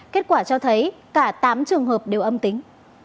kết quả cho thấy cả tám trường hợp đều âm tính